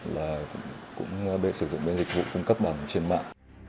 là cũng để sử dụng cái dịch vụ cấp bằng trên mạng